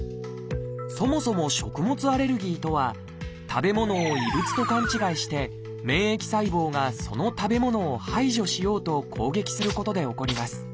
そもそも「食物アレルギー」とは食べ物を異物と勘違いして免疫細胞がその食べ物を排除しようと攻撃することで起こります。